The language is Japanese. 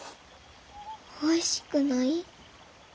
おいしくない？